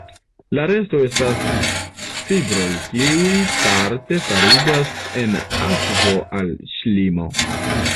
La resto estas fibroj, kiuj parte fariĝas en akvo al ŝlimo.